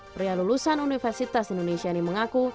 pria lulusan universitas indonesia ini mengaku